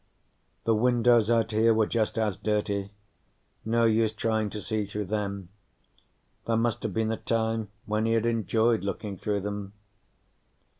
The windows out here were just as dirty; no use trying to see through them. There must have been a time when he had enjoyed looking through them.